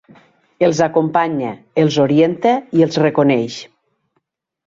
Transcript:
Els acompanya, els orienta i els reconeix.